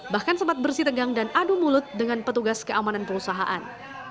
bahkan sempat bersih tegang dan adu mulut dengan petugas keamanan perusahaan